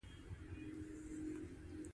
رومي قوانینو بنسټونه تر اغېز لاندې راوستل.